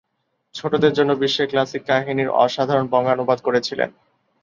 ছোটদের জন্য বিশ্বের ক্লাসিক কাহিনির অসাধারণ বঙ্গানুবাদ করেছিলেন।